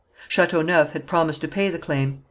Chateauneuf had promised to pay the claim.